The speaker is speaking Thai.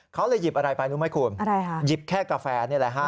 เขาเลยหยิบอะไรไปรู้ไหมคุณอะไรฮะหยิบแค่กาแฟนี่แหละฮะ